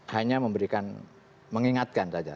hanya memberikan mengingatkan saja